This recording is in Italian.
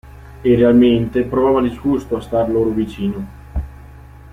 E realmente provava disgusto a star loro vicino.